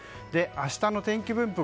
明日の天気分布